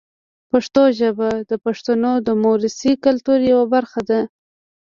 پښتو ژبه د پښتنو د موروثي کلتور یوه برخه ده.